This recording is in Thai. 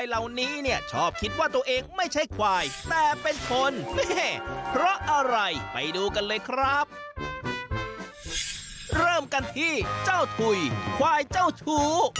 ไหวเจ้าทุ๋